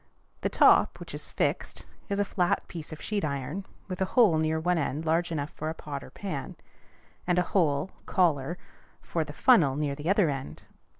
The top, which is fixed, is a flat piece of sheet iron, with a hole near one end large enough for a pot or pan, and a hole (collar) for the funnel near the other end.